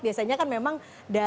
biasanya kan memang